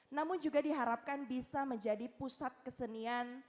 namun juga diharapkan bisa menjadi pusat kesenian